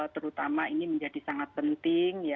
terutama ini menjadi sangat penting